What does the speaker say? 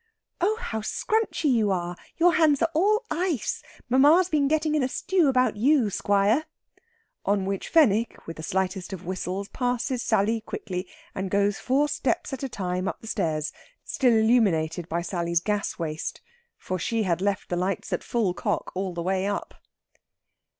"Oh, how scrunchy you are, your hands are all ice! Mamma's been getting in a stew about you, squire." On which Fenwick, with the slightest of whistles, passes Sally quickly and goes four steps at a time up the stairs, still illuminated by Sally's gas waste. For she had left the lights at full cock all the way up.